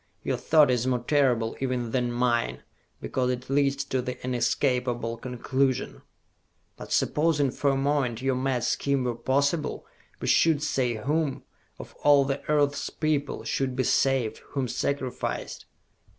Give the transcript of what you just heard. Your thought is more terrible even than mine, because it leads to this inescapable conclusion!" "But supposing for a moment your mad scheme were possible, who should say whom, of all the earth's people, should be saved, whom sacrificed?"